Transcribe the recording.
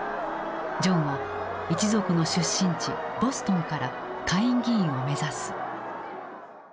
ジョンは一族の出身地ボストンから下院議員を目指す。